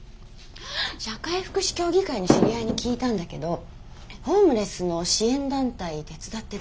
社会福祉協議会の知り合いに聞いたんだけどホームレスの支援団体手伝ってるらしいわよ。